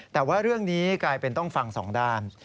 แต่ว่าเรื่องนี้กลายเป็นต้องฟังสองด้าน